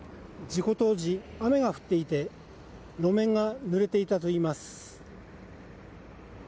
事故当時、雨が降っていて路面がぬれていたといいます。